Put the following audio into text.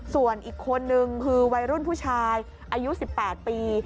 ส่วนอีกคนนึงคือวัยรุ่นผู้ชายอายุ๑๘ปี